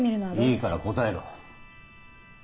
いいから答えろ！